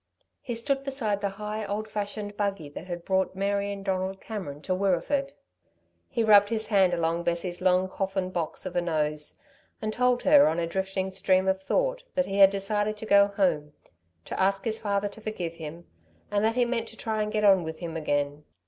He stood beside the high, old fashioned buggy that had brought Mary and Donald Cameron to Wirreeford. He rubbed his hand along Bessie's long coffin box of a nose, and told her on a drifting stream of thought that he had decided to go home, to ask his father to forgive him, and that he meant to try to get on with him again.